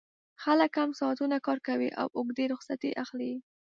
خلک کم ساعتونه کار کوي او اوږدې رخصتۍ اخلي